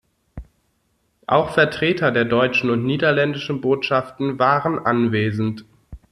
Auch Vertreter der deutschen und niederländischen Botschaften waren anwesend.